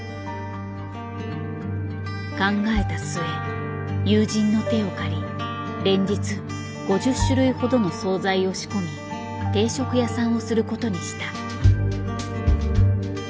考えた末友人の手を借り連日５０種類ほどの総菜を仕込み定食屋さんをすることにした。